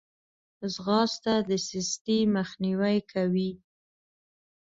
ځغاسته د سستي مخنیوی کوي